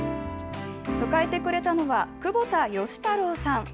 迎えてくれたのは、窪田芳太郎さん。